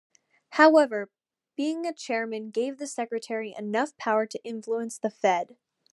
However, being a chairman gave the secretary enough power to influence the Fed.